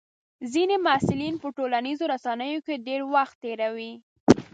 ځینې محصلین په ټولنیزو رسنیو کې ډېر وخت تېروي.